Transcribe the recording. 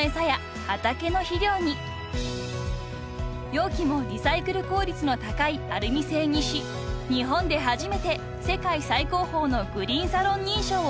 ［容器もリサイクル効率の高いアルミ製にし日本で初めて世界最高峰のグリーン・サロン認証を取得したのです］